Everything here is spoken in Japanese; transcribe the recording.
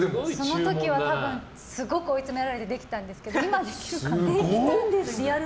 その時はすごく追いつめられてできたんですけど今はできるかな。